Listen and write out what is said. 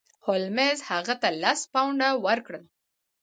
هولمز هغه ته لس پونډه ورکړل.